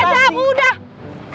gua gak kece aku udah